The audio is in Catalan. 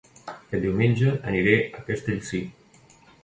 Aquest diumenge aniré a Castellcir